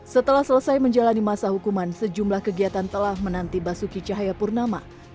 setelah selesai menjalani masa hukuman sejumlah kegiatan telah menanti basuki cahayapurnama